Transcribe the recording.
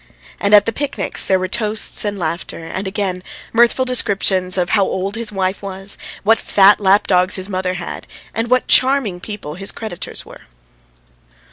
And at the picnics there were toasts and laughter, and again mirthful descriptions of how old his wife was, what fat lap dogs his mother had, and what charming people his creditors were.